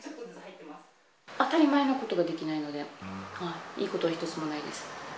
当たり前のことができないので、いいことは一つもないです。